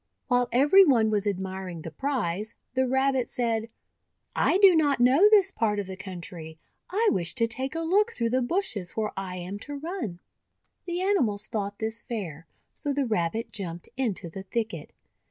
While every one was admiring the prize, the Rabbit said: — 'I do not know this part of the country. I wish to take a look through the bushes where I am to run." The animals thought this fair, so the Rabbit jumped into the thicket.